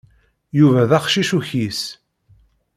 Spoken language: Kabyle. Yuba d aqcic ukyis.